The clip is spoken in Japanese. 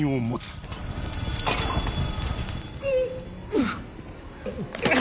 うっ。